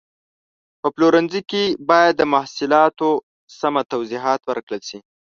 په پلورنځي کې باید د محصولاتو سمه توضیحات ورکړل شي.